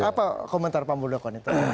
apa komentar pak mulda konit